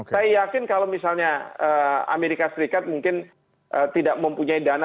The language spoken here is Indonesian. saya yakin kalau misalnya amerika serikat mungkin tidak mempunyai dana